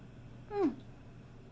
うん。